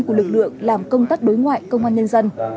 của lực lượng làm công tác đối ngoại công an nhân dân